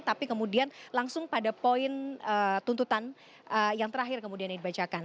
tapi kemudian langsung pada poin tuntutan yang terakhir kemudian dibacakan